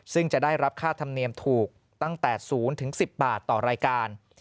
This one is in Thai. ซึ่งจะได้รับค่าธรรมเนียมถูกตั้งแต่๐๑๐บาทต่อรายการ